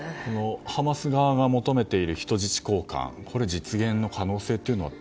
ハマス側が求めている人質交換の実現の可能性は？